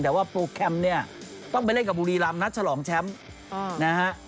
แต่ว่าโปรแกรมต้องไปเล่นกับบุรีลำนัดฉลองแชมป์